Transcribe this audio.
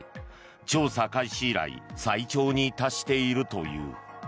調査開始以来最長に達しているという。